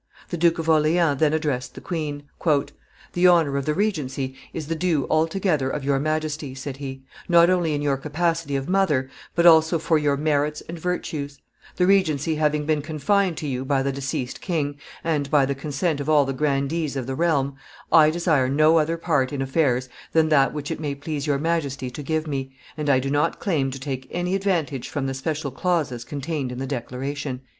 The Duke of Orleans then addressed the queen. "The honor of the regency is the due altogether of your Majesty," said he, "not only in your capacity of mother, but also for your merits and virtues; the regency having been confined to you by the deceased king, and by the consent of all the grandees of the realm, I desire no other part in affairs than that which it may please your Majesty to give me, and I do not claim to take any advantage from the special clauses contained in the declaration."